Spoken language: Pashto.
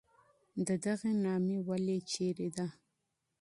د دغي نامې ریښه چېري ده؟